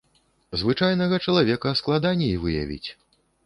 Звычайнага чалавека складаней выявіць.